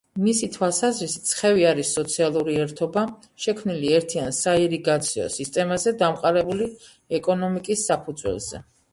მისი თვალსაზრისით, ხევი არის სოციალური ერთობა, შექმნილი ერთიან საირიგაციო სისტემაზე დამყარებული ეკონომიკის საფუძველზე.